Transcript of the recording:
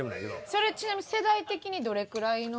それちなみに世代的にどれくらいの。